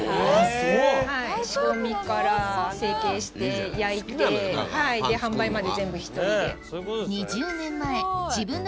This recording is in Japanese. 仕込みから成形して焼いて販売まで全部１人で。